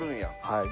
はい。